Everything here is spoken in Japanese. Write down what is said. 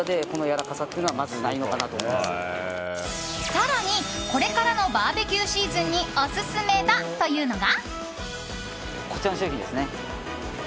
更に、これからのバーベキューシーズンにオススメだというのが。